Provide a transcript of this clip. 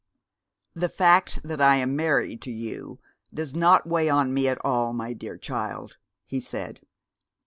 "The fact that I am married to you does not weigh on me at all, my dear child," he said.